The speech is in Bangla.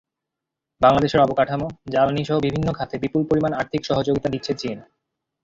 বাংলাদেশের অবকাঠামো, জ্বালানিসহ বিভিন্ন খাতে বিপুল পরিমাণ আর্থিক সহযোগিতা দিচ্ছে চীন।